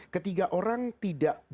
ketiga orang tidak bersuci